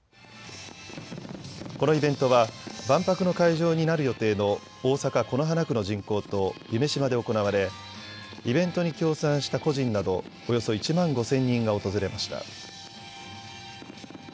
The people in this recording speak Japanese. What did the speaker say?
このイベントは万博の会場になる予定の大阪此花区の人工島、夢洲で行われイベントに協賛した個人などおよそ１万５０００人が訪れました。